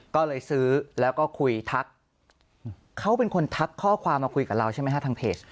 ก็เลยซื้อแล้วก็คุยทักเขาเป็นคนทักข้อความมาคุยกับเราใช่ไหมฮะทางเพจ